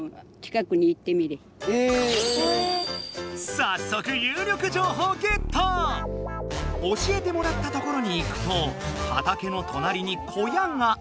さっそく教えてもらったところに行くとはたけのとなりに小屋が！